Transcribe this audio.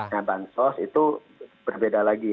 nah bansos itu berbeda lagi